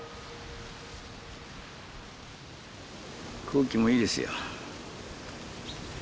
空気もいいですよ。